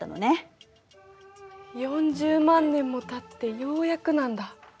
４０万年もたってようやくなんだ。